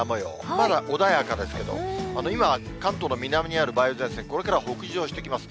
まだ穏やかですけど、今は関東の南にある梅雨前線、これから北上してきます。